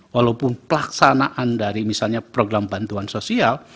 walaupun pelaksanaan dari misalnya program bantuan sosial